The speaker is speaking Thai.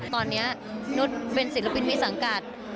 ตอนนี้นุษย์เป็นศิลปินมีสังกัด